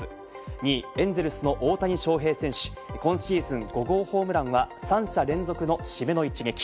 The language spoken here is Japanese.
２位、エンゼルスの大谷翔平選手、今シーズン５号ホームランは三者連続の締めの一撃。